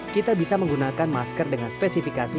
kita bisa menggunakan masker dengan spesifikasi n sembilan puluh lima